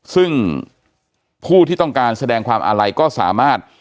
ซึ่งผู้ที่ต้องการแสดงความอาลัยก็สามารถ